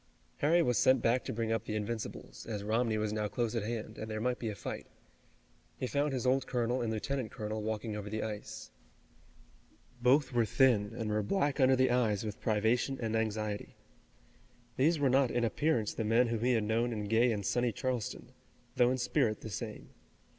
Harry was sent back to bring up the Invincibles, as Romney was now close at hand, and there might be a fight. He found his old colonel and lieutenant colonel walking over the ice. Both were thin, and were black under the eyes with privation and anxiety. These were not in appearance the men whom he had known in gay and sunny Charleston, though in spirit the same.